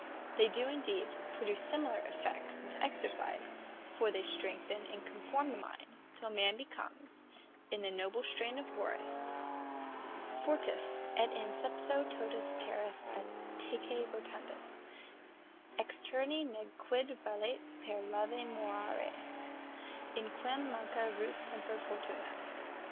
They do indeed produce similar effects with exercise; for they strengthen and confirm the mind, till man becomes, in the noble strain of Horace _Fortis, et in seipso totus teres atque rotundus, Externi ne quid valeat per laeve morari; In quem manca ruit semper Fortuna.